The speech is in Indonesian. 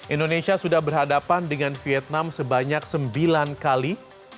indonesia sudah berhadapan dengan vietnam sebanyak sembilan kali